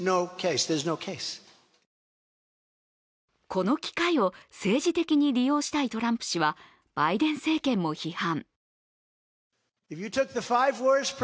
この機会を政治的に利用したいトランプ氏は、バイデン政権も批判。